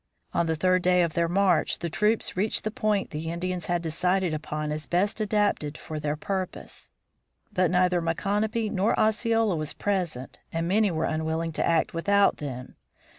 On the third day of their march the troops reached the point the Indians had decided upon as best adapted to their purpose. But neither Micanopy nor Osceola was present and many were unwilling to act without them.